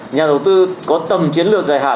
nhà đầu tư có tầm chiến lược giải hạn